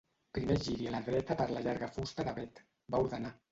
"Primer giri a la dreta per la llarga fusta d'avet", va ordenar.